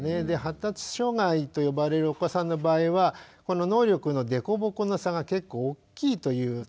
で発達障害と呼ばれるお子さんの場合はこの能力の凸凹の差が結構大きいという。